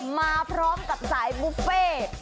มาพร้อมกับสายบุฟเฟ่